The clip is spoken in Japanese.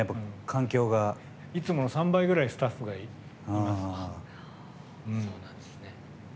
いつもの３倍ぐらいスタッフがいます。